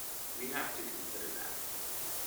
We have to consider that.